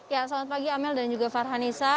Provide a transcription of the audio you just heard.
ya selamat pagi amel dan juga farhanisa